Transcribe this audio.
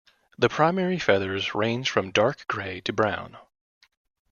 The primary feathers range from dark grey to brown.